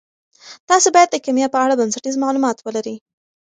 تاسي باید د کیمیا په اړه بنسټیز معلومات ولرئ.